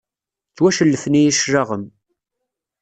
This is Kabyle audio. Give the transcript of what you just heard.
Ttwacellfen-iyi cclaɣem.